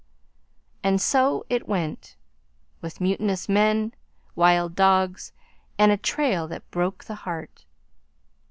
And so it went with mutinous men, wild dogs, and a trail that broke the heart.